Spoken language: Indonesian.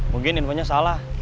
mungkin info nya salah